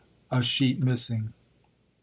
[a sheet missing].